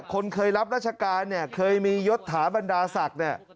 คนเคยรับราชการเนี่ยเคยมียศถาบรรดาศักดิ์เนี่ย